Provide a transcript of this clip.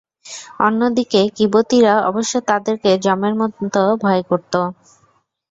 অন্যদিকে কিবতীরা অবশ্য তাদেরকে যমের মত ভয় করত।